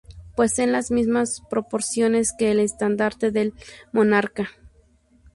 Poseen las mismas proporciones que el estandarte del monarca.